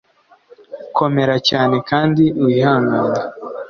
komera cyane kandi wihangane